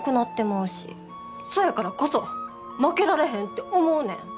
そやからこそ負けられへんって思うねん。